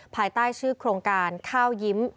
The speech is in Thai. ภายใต้ชื่อโครงการข้าวยิ้ม